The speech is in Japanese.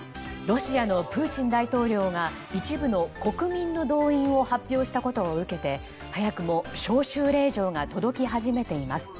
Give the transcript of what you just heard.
ロシアのプーチン大統領が一部の国民の動員を発表したこと受けて早くも招集令状が届き始めています。